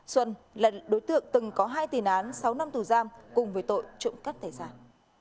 xuân là đối tượng từng có hai tiền án sáu năm tù giam cùng với tội trộm cắt tài sản